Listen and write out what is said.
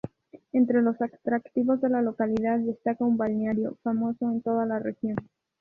Entre los atractivos de la localidad, destaca un balneario, famoso en toda la región.